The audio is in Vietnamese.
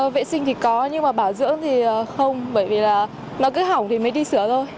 vệ sinh thì có nhưng bảo dưỡng thì không bởi vì nó cứ hỏng thì mới đi sửa thôi